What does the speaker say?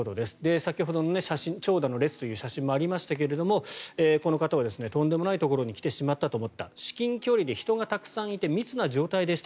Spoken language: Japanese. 先ほどの長蛇の列という写真もありましたけれどもこの方はとんでもないところに来てしまったと思った至近距離で人がたくさんいて密な状態でした。